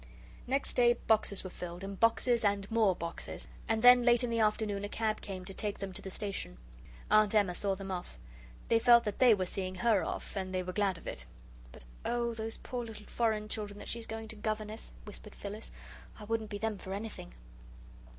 Next day boxes were filled, and boxes and more boxes; and then late in the afternoon a cab came to take them to the station. Aunt Emma saw them off. They felt that THEY were seeing HER off, and they were glad of it. "But, oh, those poor little foreign children that she's going to governess!" whispered Phyllis. "I wouldn't be them for anything!"